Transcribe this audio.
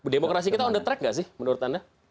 demokrasi kita on the track gak sih menurut anda